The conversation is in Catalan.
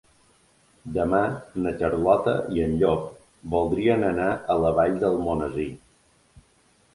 Demà na Carlota i en Llop voldrien anar a la Vall d'Almonesir.